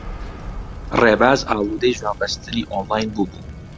ڕێباز ئاڵوودەی ژوانبەستنی ئۆنلاین بووبوو.